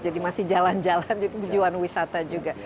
jadi masih jalan jalan tujuan wisata juga